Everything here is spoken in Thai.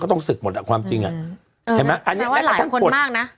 ก็ต้องศึกหมดอะความจริงอะอือเห็นไหมอันเนี้ยแปลว่าหลายคนมากน่ะ